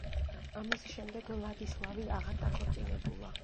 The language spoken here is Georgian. ამის შემდეგ ვლადისლავი აღარ დაქორწინებულა.